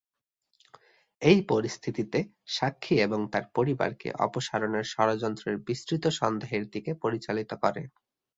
এই পরিস্থিতিতে সাক্ষী এবং তার পরিবারকে অপসারণের ষড়যন্ত্রের বিস্তৃত সন্দেহের দিকে পরিচালিত করে।